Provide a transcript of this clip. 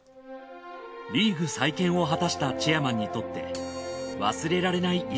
リーグ再建を果たしたチェアマンにとって忘れられない